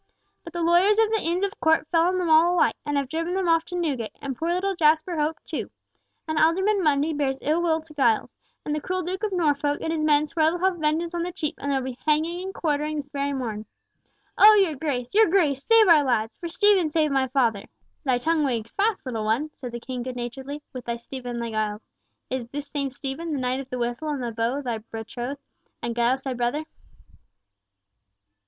But the lawyers of the Inns of Court fell on them all alike, and have driven them off to Newgate, and poor little Jasper Hope too. And Alderman Mundy bears ill will to Giles. And the cruel Duke of Norfolk and his men swear they'll have vengeance on the Cheap, and there'll be hanging and quartering this very morn. Oh! your Grace, your Grace, save our lads! for Stephen saved my father." "Thy tongue wags fast, little one," said the King, good naturedly, "with thy Stephen and thy Giles. Is this same Stephen, the knight of the whistle and the bow, thy betrothed, and Giles thy brother?"